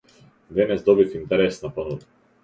Денес добив интересна понуда.